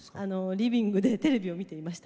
リビングでテレビを見ていました。